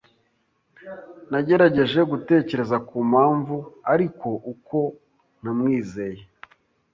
Nagerageje gutekereza ku mpamvu ari uko ntamwizeye.